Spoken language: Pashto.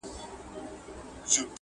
لمرینو وړانګو ته به نه ځلیږي؛